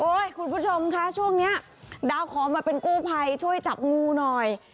คุณผู้ชมคะช่วงนี้ดาวขอมาเป็นกู้ภัยช่วยจับงูหน่อย